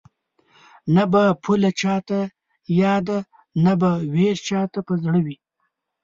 نه به پوله چاته یاده نه به وېش چاته په زړه وي